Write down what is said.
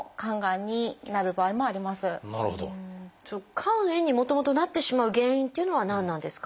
肝炎にもともとなってしまう原因っていうのは何なんですか？